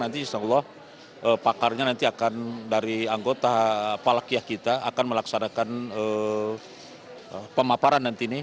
nanti insya allah pakarnya nanti akan dari anggota palakyah kita akan melaksanakan pemaparan nanti ini